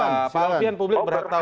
paham pilihan publik berhak tahu